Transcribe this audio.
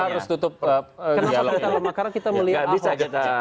kenapa kita lemah karena kita melihat